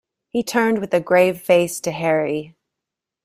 He turned with a grave face to Harry.